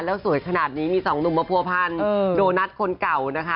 แล้วสวยขนาดนี้มีสองหนุ่มมาผัวพันโดนัทคนเก่านะคะ